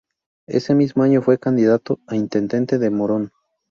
Ese mismo año fue candidato a intendente en Morón.